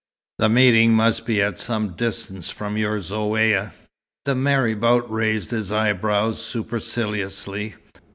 The meeting must be at some distance from your Zaouïa." The marabout raised his eyebrows superciliously.